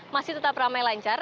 masih tetap ramai lancar